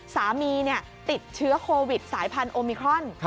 สามีติดเชื้อโควิดสายพันธุมิครอน